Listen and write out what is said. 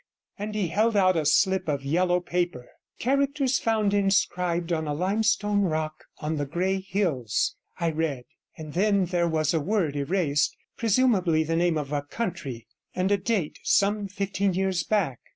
and he held out a slip of yellow paper. Characters found inscribed on a limestone rock on the Grey Hills, I read, and then there was a word erased, presumably the name of a county, and a date some fifteen years back.